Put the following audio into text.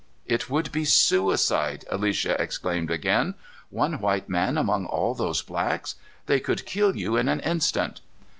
"It would be suicide!" Alicia exclaimed again. "One white man among all those blacks. They could kill you in an instant."